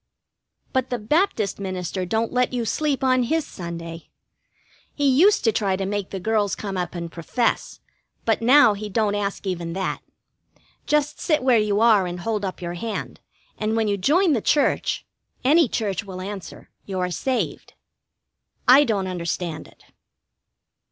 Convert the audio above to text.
But the Baptist minister don't let you sleep on his Sunday. He used to try to make the girls come up and profess, but now he don't ask even that. Just sit where you are and hold up your hand, and when you join the church any church will answer you are saved. I don't understand it.